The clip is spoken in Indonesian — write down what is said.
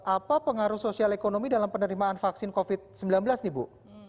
apa pengaruh sosial ekonomi dalam penerimaan vaksin covid sembilan belas nih bu